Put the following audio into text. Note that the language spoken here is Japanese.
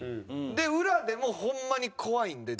で裏でもホンマに怖いんで。